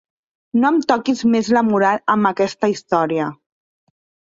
No em toquis més la moral amb aquesta història.